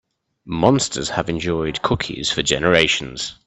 Monsters have enjoyed cookies for generations.